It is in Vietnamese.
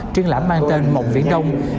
triển lãm mang tên mộng viện đông